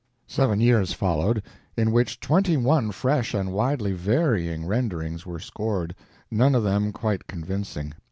Seven years followed, in which twenty one fresh and widely varying renderings were scored—none of them quite convincing.